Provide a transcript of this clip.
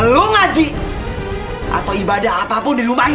lo ngaji atau ibadah apapun di rumah